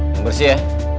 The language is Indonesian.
yang bersih ya